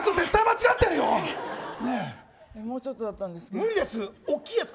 もうちょっとだったんですけど。